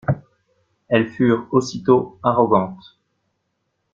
Elles furent aussitôt arrogantes.